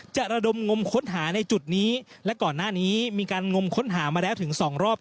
ระดมงมค้นหาในจุดนี้และก่อนหน้านี้มีการงมค้นหามาแล้วถึงสองรอบ